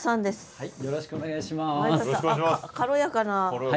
はい。